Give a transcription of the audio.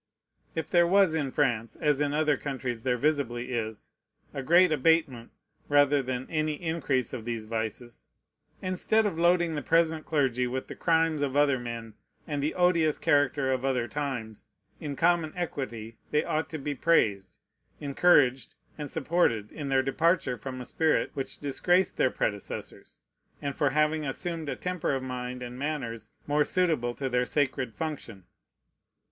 If there was in France, as in other countries there visibly is, a great abatement, rather than any increase of these vices, instead of loading the present clergy with the crimes of other men and the odious character of other times, in common equity they ought to be praised, encouraged, and supported, in their departure from a spirit which disgraced their predecessors, and for having assumed a temper of mind and manners more suitable to their sacred function.